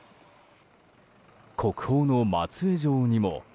国宝の松江城にも。